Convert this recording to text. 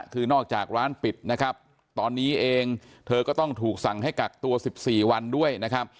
คือนอกจากร้านปิดนะครับตอนนี้เองเธอก็ต้องถูกสั่งให้กักตัว๑๔วันด้วยนะครับ